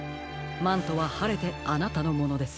マントははれてあなたのものです。